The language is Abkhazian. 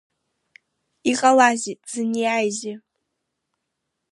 Иҟалазеи, дзыниазеи?